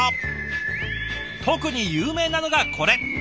特に有名なのがこれ。